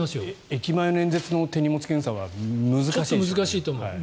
駅前の演説の手荷物検査は難しいと思います。